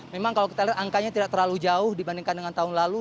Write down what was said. memang kalau kita lihat angkanya tidak terlalu jauh dibandingkan dengan tahun lalu